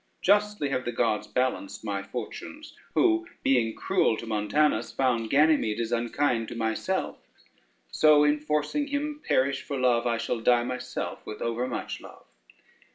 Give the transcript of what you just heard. Justly have the gods balanced my fortunes, who, being cruel to Montanus, found Ganymede as unkind to myself; so in forcing him perish for love, I shall die myself with overmuch love."